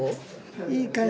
いい感じ。